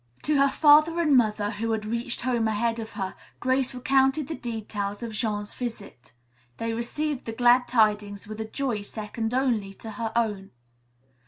To her father and mother, who had reached home ahead of her, Grace recounted the details of Jean's visit. They received the glad tidings with a joy second only to her own.